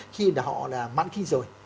khi họ mạng kinh rồi